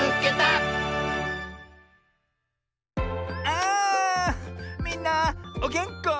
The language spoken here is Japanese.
あみんなおげんこ？